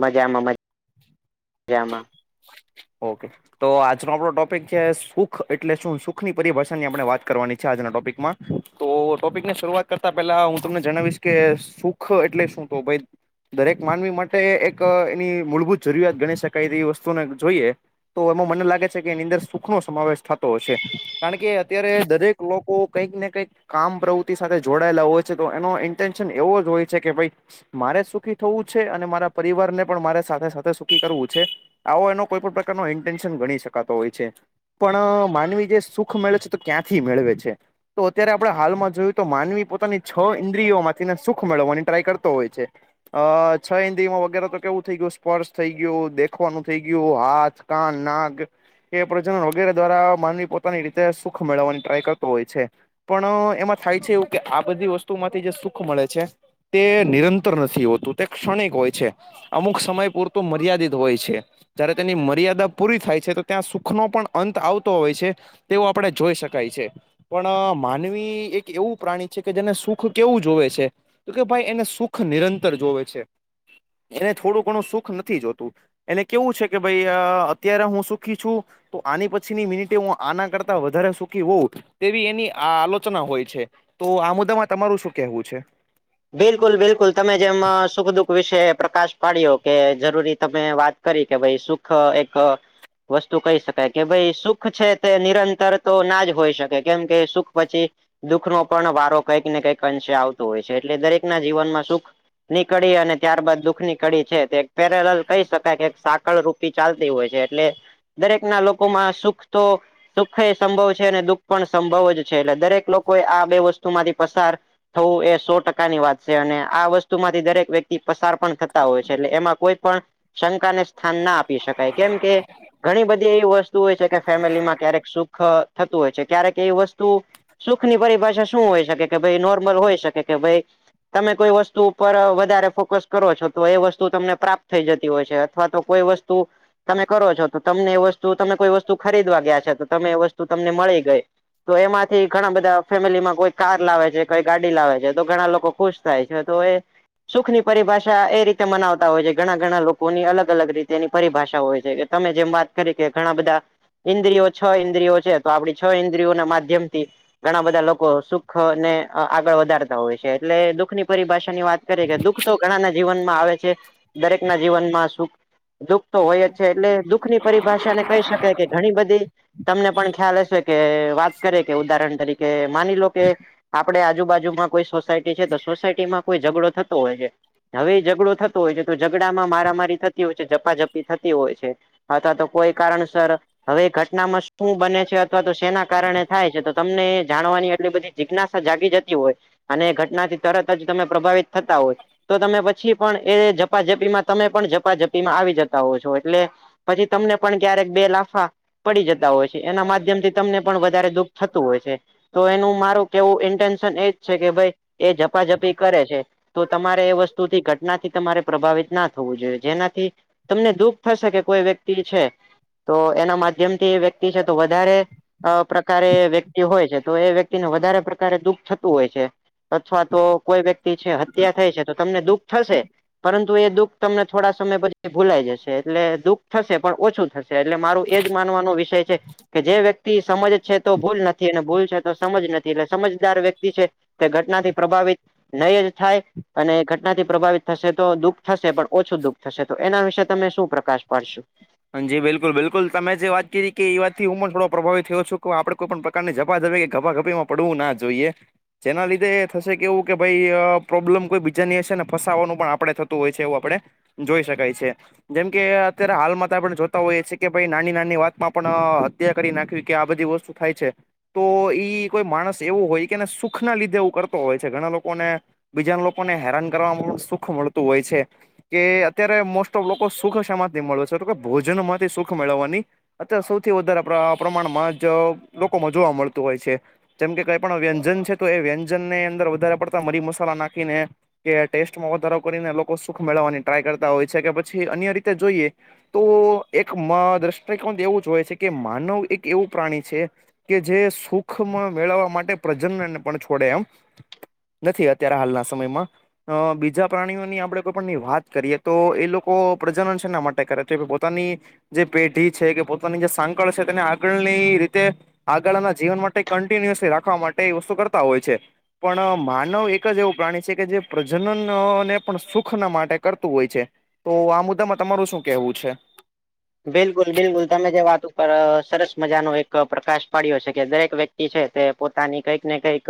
મજામાં, મજ જામાં. ઓકે તો આજનો આપણો ટોપિક છે, સુખ એટલે શું? સુખની પરિભાષા ની આપણે વાત કરવાની છે આજના ટોપિકમાં. તો ટોપિક ને શરૂઆત કરતા પેહેલા હું તમને જણાવીશ કે સુખ એટલે શું, તો ભાઈ દરેક માનવી માટે એક એની મૂળભૂત જરૂરિયાત ગણી શકાય, તે એવી વસ્તુને જોઈએ તો એમાં મને લાગે છે કે એની અંદર સુખ નો સમાવેશ થતો હશે. કારણ કે અત્યારે દરેક લોકો કઈક ને કઈક કામ પ્રવૃતિ સાથે જોડાયેલા હોય છે તો એનો ઇન્ટન્શન એવો જ હોય છે કે ભાઈ મારે સુખી થવું છે, અને મારા પરિવાર ને પણ મારે સાથે સાથે સુખી કરવું છે, આવો એનો કોઈ પણ પ્રકારનો ઇન્ટેન્શન ગણી શકાતો હોય છે. પણ માનવી જે સુખ મેળવે છે તે, ક્યાંથી મેળવે છે? તો અત્યારે આપણે હાલમાં જોયું તો માનવી પોતાની છ ઇન્દ્રિયોમાંથીને સુખ મેળવવાની ટ્રાય કરતો હોય છે. અ છ હિન્દી માં વગેરે તો કેવું થઈ ગયુંસ સ્પર્શ થઈ ગયો, દેખવાનું થઈ ગયું, હાથ, કાન, નાગ એ પ્રજનન વગેરે દ્વારા, માનવી પોતાની રીતે સુખ મેળવવાની ટ્રાય કરતો હોય છે. પણ એમાં થાય છે એવું, કે આ બધી વસ્તુમાંથી જે સુખ મળે છે. તે નિરંતર નથી હોતું, તે ક્ષણિક હોય છે, અમુક સમય પૂરતુ મર્યાદિત હોય છે. જયારે તેની મર્યાદા પૂરી થાય છે, તો ત્યાં સુખનો પણ અંત આવતો હોય છે. તેવો આપડે જોઈ શકાય છે. પણ માનવી એક એવું પ્રાણી છે, કે જેને સુખ કેવું જોવે છે. તો કે ભાઈ એને સુખ નિરંતર જોવે છે, એને થોડું ઘણું સુખ નથી જોતું. એને કેવું છે કે ભાઈ અ અત્યારે હું સુખી છું. તો આની પછીની મિનિટે હું આના કરતા વધારે સુખી હોઉ. તેવી એની આ આલોચના હોય છે, તો આ મુદ્દામાં તમારું શું કેહેવું છે? બિલકુલ, બિલકુલ, તમે જેમ સુખ દુઃખ વિશે પ્રકાશ પાડ્યો, કે જરૂરી તમે વાત કરી કે ભાઈ સુખ એક વસ્તુ કહી શકાય, કે ભાઈ સુખ છે તે નિરંતર તો ના જ હોઈ શકે, કેમ કે સુખ પછી દુઃખનો પણ વારો કંઈક ને કંઈક અંશે આવતો હોય છે, એટલે દરેક ના જીવનમાં સુખ ની કડી અને ત્યારબાદ દુઃખ ની કડી છે, તે એક પેરેલ કહી શકાય કે સાકળ રૂપ તી ચાલતી હોય છે, એટલે દરેક ના લોકોમાં સુખ તો સુખે સંભવ છે, અને દુઃખ પણ સંભવ જ છે, એટલે દરેક લોકો એ આ બે વસ્તુમાંથી પસાર થવું એ સો ટકાની વાત છે, અને આ વસ્તુ માંથી દરેક વ્યક્તિ પસાર પણ થતા હોય છે, એટલે એમાં કોઈ પણ શંકા ને સ્થાન ના આપી શકાય, કેમ કે ઘણી બધી એવી વસ્તુ હોય છે, કે ફેમિલીમાં ક્યારેક સુખ થતું હોય છે, ક્યારે કે એ વસ્તુ, સુખની પરિભાષા શું હોય શકે? કે ભાઈ નોર્મલ હોય શકે. કે ભાઈ તમે કોઈ વસ્તુ ઉપર વધારે ફોકસ કરો છો, તો એ વસ્તુ તમને પ્રાપ્ત થઈ જતી હોય છે. અથવા તો કોઈ વસ્તુ તમે કરો છો તો, તમને એ વસ્તુ તમે કોઈ વસ્તુ ખરીદવા ગયા છે તો તમે એ વસ્તુ તમને મળી ગઈ. તો એમાંથી ઘણા બધા ફેમિલી માં કોઈ કાર લાવે છે, કોઈ ગાડી લાવે છે. તો ઘણા લોકો ખુશ થાય છે તો એ સુખની પરિભાષા એ રીતે મનાવતા હોય છે, ઘણા ઘણા લોકોની અલગ અલગ રીતે એની પરિભાષા હોય છે. તમે જેમ વાત કરી કે, ઘણા બધા. ઇન્દ્રિયો, છ ઇન્દ્રિયો છે, તો આપડી છ ઇન્દ્રિયો ના માધ્યમથી. ઘણા બધા લોકો સુખ અને આગળ વધારે હોય છે એટલે દુઃખ ની પરિભાષા ની વાત કરીે કે દુઃખ તો ઘણાના જીવનમાં આવે છે. દરેક ના જીવનમાં સુખ દુઃખ તો હોય જ છે એટલે દુઃખ ની પરિભાષાને કહી શકાય કે ઘણી બધી તમને પણ ખ્યાલ હશે કે વાત કરે કે ઉદાહરણ તરીકે માની લો કે આપડ આજુબાજુમાં કોઈ સોસાયટી છે તો સોસાયટીમાં કોઈ ઝઘડો થતો હોય છે. હવે ઝઘડો થતો હોય છે. તો ઝઘડામાં મારા મારી થતી હોય છે ઝપાઝપી થતી હોય છે. અથવા તો કોઈ કારણસર હવે એ ઘટનામાં શું બને છે અથવા તો શેના કારણે થાય છે તો તમને જાણવાની એટલી બધી જિજ્ઞાસા જાગી જતી હોય અને એ ઘટના થી તરત જ તમે પ્રભાવિત થતા હોય તો તમે પછી પણ એ ઝપાઝપી માં તમે પણ ઝપાઝપી માં આવી જતા હોવ છો એટલે પછી તમને પણ ક્યારેક બે લાફા પડી જતા હોય છે. એના માધ્યમ થી તમને પણ વધારે દુઃખ થતું હોય છે તો એનું મારું કેવું ઇન્ટેન્શન એ છે કે ભાઈ એ ઝપાઝપી કરે છે. તો તમારે એ વસ્તુથી ઘટનાથી તમારે પ્રભાવિત ના થવું જોઈએ જેનાથી તમને દુઃખ થશે કે કોઈ વ્યક્તિ છે, તો એના માધ્યમથી એ વ્યક્તિ છે, તો વધારે અ પ્રકારે વ્યક્તિ હોય છે તો એ વ્યક્તિને વધારે પ્રકારે દુઃખ થ હોય છે અથવા તો કોઈ વ્યક્તિ છે હત્યા થાય છે તો તમને દુઃખ થશે. પરંતુ એ દુઃખ તમને થોડા સમય પછી ભૂલાઈ જશે એટલે દુઃખ થશે પણ ઓછું થશે. એટલે મારું એજ માનવાનો વિષય કે જે વ્યક્તિ સમજ છે તો ભૂલ નથી, અને ભૂલ છે તો સમજ નથી, એટલે સમજદાર વ્યક્તિ તે ઘટનાથી પ્રભાવિત નહી જ થાય. અને ઘટનાથી પ્રભાવિત થશે તો દુઃખ થશે પણ ઓછું દુઃખ થશે તો એના વિશે તમે શું પ્રકાશ પાડશો. હ જી બિલકુલ બિલકુલ તમે જે વાત કરી કે એવાતથી હું પણ થડો પ્રભાવિત થયો છું કે આપડ કોઈ પણ ને જઝા ધબે કે ગભા ગભી માં પડવું ના જોઈએ. જેના લીધે થશે કે એવું કે ભાઈ પ્રોબ્લેમ કોઈ બીજાની હશે ને ફસાવાનું પણ આપડે થતું હોય છે. એવું આપડે, જોઈ શકાય છે જેમ કે, અત્યારે હાલમાં પણ જોતા હોઈએ છ છે કે ભાઈ નાની નાની વાતમાં પણ હત્યા કરી નાખવી કે આ બધી વસ્તુ થાય છે. તો ઈ કોઈ માણસ એવું હોય કેને સુખ ના લીધે એવું કરતો હોય છે. ઘણા લોકોને બીજા લોકોને હેરાન કરવાવામાં પણ સુખ મળતું હોય છે. કે અત્યારે મોસ્ટ ઓફ લોકો સુખ સમાતની મળે છે તો કે ભોજન માંથી સુખ મેળવવાની અત્યારે સૌથી વધારે પ્રમાણમાં જ લોકોમાં જોવા મળતું હોય છે. જેમ કે કંઈ પણ વ્યંજન છે તો એ વ્યંજન ની અંદર વધારે પડતા મરી મસાલા નાખીને કે ટેસ્ટમાં વધારો કરીને લોકો સુખ મેળવવાની ટ્રાય કરતા હોય છે કે પછી અન્ય રીતે જોઈએ. તો એક દ્રષ્ટિકોંત એવું જ હોય છે કે માનવ એક એવું પ્રાણી છે. કે જે સુખમાં મેળવવા માટે પ્રજનને પણ છોડે એમ નથી. અત્યારે હાલના સમયમાં અ બીજા પ્રાણીઓની આપડે કોઈ પણની વાત કરીએ તો એ લોકો પ્રજનન છેના માટે કરે છે પોતાની જે પેઢી છે કે, પોતાની જે સાંકળ છે તેને આગળની રીતે આગળના જીવન માટે કન્ટિન્યુઅસલી રાખવા માટે એ વસ્તુ કરતા હોય છે. પણ માનવ એક જ એવું પ્રાણી છે કે જે, પ્રજનનને પણ સુખ ના માટે કરતું હોય છે. તો આ મુદ્દામાં તમારું શું કેવું છે? બિલકુલ બિલકુલ તમે જે વાત ઉપર સરસ મજાનો એક પ્રકાશ પાડ્યો છે કે દરેક વ્યક્તિ છે તે પોતાની કંઈક ને કઈક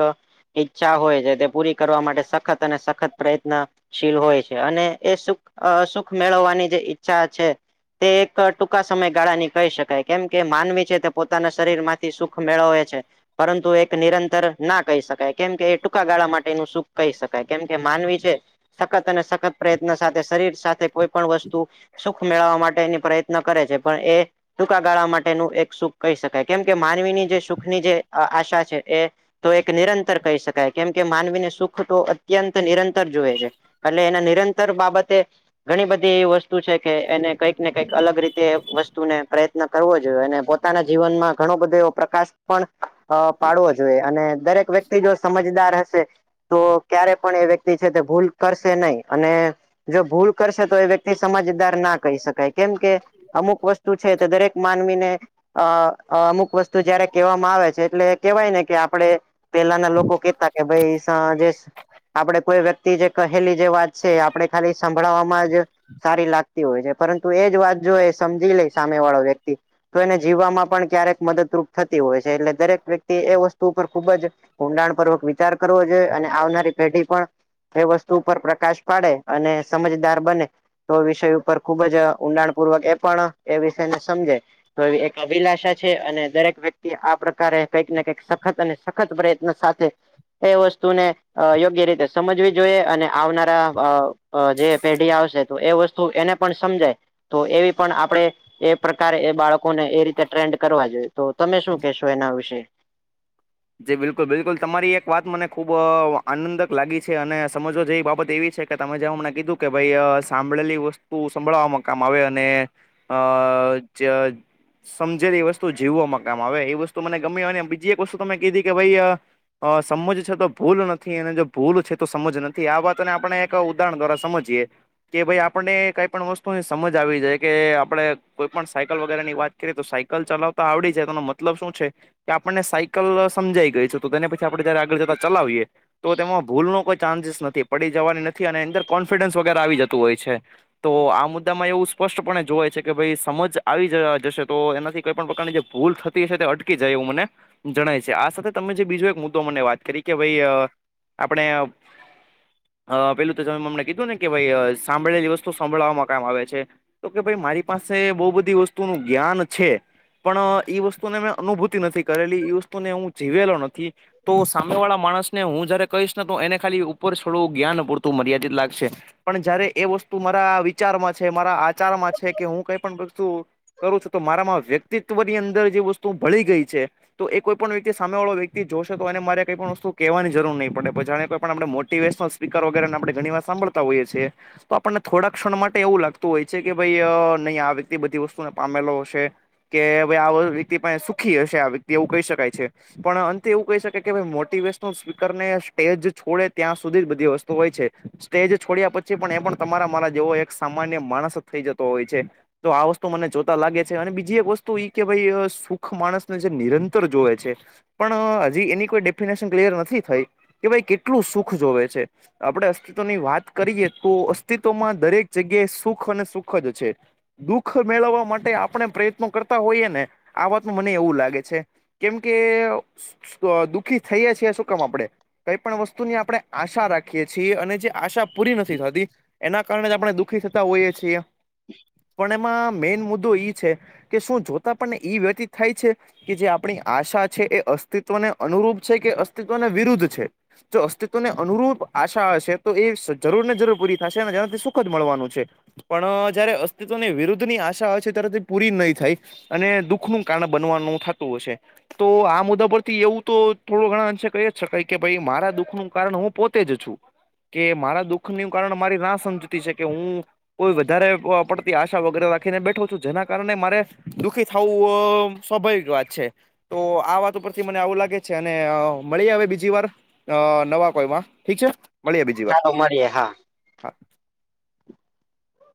ઈચ્છા હોય છે તે પૂરી કરવા માટે સખત અને સખત પ્રયત્ન શીલ હોય છે અને એ સુખ સુખ મેળવવાની જે ઈચ્છા છે, તે એક ટૂંકા સમય ગાળા ની કહી શકાય કેમ કે માનવી છે તે પોતાના શરીર માંથી સુખ મેળવે છે. પરંતુ એક નિરંતર ના કહી શકાય. કેમ કે એ ટૂંકા ગાળા માટેનું સુખ કહી શકાય. કેમકે માનવી છે સખત અને સખત પ્રયત્ન સાથે શરીર સાથે કોઈ પણ વસ્તુ સુખ મેળવવા માટેની પ્રયન કરે છે પણ એ ટૂંકા ગાળવા માટેનું એક સુખ કહી શકાય, કેમ કે માનવીની જે સુખની જે આશા છે એ તો એક નિરંતર કહી શકાય કેમ કે માનવીને સુખ તો અત્યંત નિરંતર જોએ છે. એટલે એના નિરંતર બાબતે ઘણી બધી એવી વસ્તુ છે કે એને કઈક ને કંઈક અલગ રીતે વસ્તુને પ્રયત્ન કરવો જોઈએ અને પોતાના જીવન માં ઘણો બધો એવો પ્રકાશ પણ અ પાડવો જોઈએ અને દરેક વ્યક્તિ જો સમજદાર હશે. તો ક્યારે પણ એ વ્યક્તિ છે તે ભૂલ કરશે નહી અને જો ભૂલ કરશે તો એ વ્યક્તિ સમજદાર ના કહી શકે. કેમ કે, અમુક વસ્તુ છે તે દરેક માનવીને અ અમુક વસ્તુ જયારે કહેવામાં આવે છે એટલે કેહેવાય ને કે આપડ પેલાના લોકો કેતા કે ભાઈ જે આપડે કોઈ વ્યક્તિ જે કહેલી જે વાત છે આપણે ખાલી સંભળવામાં જ સારી લાગતી હોય છે પરંતુ એજ વાત જો એ સમજી લે સામે વાળો વ્યક્તિ. તો એને જીવવામાં પણ ક્યારેક મદદરૂપ થતી હોય છે એટલે દરેક વ્યક્તિ એ વસ્તુ ઉપર ખુબ જ કુંડાણ પૂર્વક વિચાર કરવો જોઈએ અને આવનારી પેઢી પણ એ વસ્તુ ઉપર પ્રકાશ પાડે અને સમજદાર બને, તો વિષય ઉપર ખુબ જ ઊંડાણપૂર્વક એ પણ એ વિષયને સમજે. તો એ એક અભિલાષા છે અને દરેક વ્યક્તિ આ પ્રકારે કઈક ને કંઈક સખત અને સખત પ્રયત્ન સાથે. એ વસ્તુને યોગ્ય રીતે સમજવી જોઈએ અને આવનારા અ જે પેઢી આવશે તો એ વસ્તુ એને પણ સમજાય, તો એવી પણ આપણે એ પ્રકારે એ બાળકોને એ રીતે ટ્રેન્ડ કરવા જોઈએ તો તમે શું કેશો એના વિશે? જી બિલકુલ બિલકુલ તમારી એક વાત મને ખૂબ આનંદક લાગી છે અને સમજવાો જેવી બાબત એવી છે. તમે જે હમને કીધું કે ભાઈ સાંભળેલી વસ્તુ સંભળવાવામાં કામ આવે અને અ જે સમજેલી એ વસ્તુ જીવો મકામ હવે એ વસ્તુ મને ગમી હોય બીજી એક વસ્તુ તમે કીધી કે ભાઈ અ સમજ છે તો ભૂલ નથી અને જો ભૂલ છે તો સમજ નથી આ વાતને આપણે એક ઉદાહરણ દ્વારા સમજીએ. કે ભાઈ આપણને કઈ પણ વસ્તુની સમજ આવી જાય કે આપડે કોઈ પણ સાયકલ વગેરે ની વાત તો સાયકલ ચલાવતા આવ જાય તોનો મતલબ શું છે, કે આપણને સા લ સમજાઈ ગઈ છે તો તેને પછી આપણે જયારે આગળ જતા ચલાવીએ. તો તેમાં ભૂલ ન કોઈ ચાન્સીસ નથી પડી જવાની નથી અને અંદર કોન્ફિડન્સ વગેરે આવી જતું હોય છે. તો આ મુદ્દામાં એવું સ્પષ્ટપણે જોવાય છે કે ભાઈ સમજ આવી જ જશે તો એનાથી કોઈ પણ પ્રકારની ભૂલ થતી હશે તો અટકી જાય એવું મને જણાય છે આ સાથે તમે જે બીજો એક મુદ્દો મને વાત કરી કે ભાઈ આપણે અ પેલું તો જમીમાં અમને કીધું ને કે ભાઈ સાંભળેલી વસ્તુ સાભળવામાં કામ આવે છે. તો કે ભાઈ મારી પાસે બહુ બધી વસ્તુ નું જ્ઞાન છે. પણ ઈ વસ્તુને મેં અનુભૂતિ નથી કરેલી. વસ્તુને હું જીવેલો નથી, તો સામે વાળા માણસ ને હું જયારે કહીશ. તો એને ખાલી ઉપર છોડવું જ્ઞાન પૂરું મર્યાદિત લાગશે. પણ જયારે એ વસ્તુ મારા વિચારમાં છે મારા વિચારમાં છે કે હું કઈ પણ વસ્તુ કરું છું તો મારામાં વ્યક્તિત્વ ની અંદર જે વસ્તુ તું ભળી ગઈ છે. તો એ કોઈ પણણ વ્યક્તિ સામેવાળો વ્યક્તિ જોશે તો એનેરે કંઈણ વસ્તુ કહેવાની જરૂર નહીં પડેછ જા કોઈ પણ આપણે મોટીવેશનલસ વગેરેને આપણે ઘણી વાર સાંભળતા હોઈએ છીએ. તો આપણને થોડા ક્ષણ માટે એવું લાગતું હોય છે કે ભાઈ નહીં આ વ્યક્તિ બધી વસ્તુને પામેલો હશે. કે ભાઈ આ વ્યક્તિ પણ સુખી હશે આ વ્યક્તિ એવું કહી શકાય છે. પણ અંતે એવું કહી શકે કે ભ મોટિવેશનલ સ્પીકર ને સ્ટેજ છોડે ત્યાં સુધી જ બધી વસ્તુ હોય છે. સ્ટેજ છોડ્યા પછી પણ એ પણ તમારા મારા જેવો એક સામાન્ય માણસ થઈ જતો હોય છે. તો આ વસ્તુ મને જોતા લાગે છે અને બીજી એક વસ્તુ ઈ કે ભાઈ સુખ માણસ ને રંતર જોવે છે, પણ હજી એની કોઈ ડેફિનેશન ક્લયર નથી થઈ. કે ભાઈ કેટલું સુખ જોવે છે. આપડણે અસ્તિત્વની વાત કરીએ તો અસ્તિત્વમાં દરેક જગ્યાએ સુખ અને સુખ જ છે. દુઃખ મેળવવા માટે આપણે પ્રયત્નો કરતા હોઈએ ને, આ વાત ન મને એવું લાગે. કેમ કે દુખી થઈ છીએ શું કામ આપડે? કઈ પણ વસ્તુની આપણે આશા રાખીએ છીએ અને જે આશા પૂરી નથી થતી. એના કારણે જ આપણે દુઃખી થતા હોઈએ છીએ. પણ એમાં મેન મુદ્દો ઈ છે, કે શું જોતા પણને ઈ વ્યતીત થાય છે. કે જે આપણી આશા છે એ અસ્તિત્વને અનુરૂપ છે કે અસ્તિત્વને વિરુદ્ધ છે. જો અસ્તિત્વને અનુરૂપ આશા હશે છે તો એ જરૂર ને જરૂર પૂરિ ને જેનાથી સુખ જ મળવાનું છે. પણ જયારે અસ્તિત્વની વિરુદ્ધની આશા હોય છે ત્યારે તે પૂરી નહી થાય. અને દુખનું કારણ બનવાનું થતું હશે. તો આ મુદ્દા પરથી એવું તો થોડો ઘણા અંશે કહી જ શકાય કે ભાઈ મારા દુખ નું કારણ હું પોતે જ છું. કે મારા દુઃખનુ કારણ મારી રાહ સમજતી છે કે હું કોઈ વધારે પડતી આશા વગેરે રાખીને બેઠો છું જેના કારણે મારે, દુઃખી થાવું સ્વાભાવિક વાત છે, તો આ વાતો પરથી મને આવું લાગે છે અને મળીએ અવે બીજી વાર. અ નવા કોઈમાં ઠીક છે, મળીએ બીજી વાર [unintelligible]